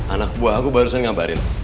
anak buah aku barusan ngabarin